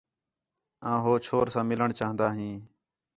آں ہو چھور ساں مِلݨ چاہن٘دا ہیں